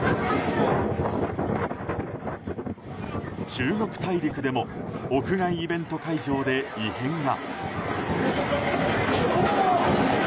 中国大陸でも屋外イベント会場で異変が。